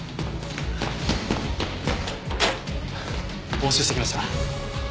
押収してきました。